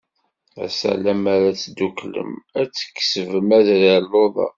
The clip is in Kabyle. Assa lemmer ad tedduklem, ad tkesbem adrar luḍa.